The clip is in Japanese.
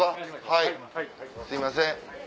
はいすいません。